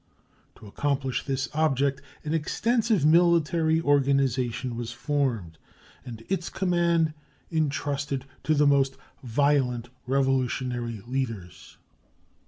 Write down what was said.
To accomplish this object an extensive military organization was formed, and its command intrusted to the most violent revolutionary leaders.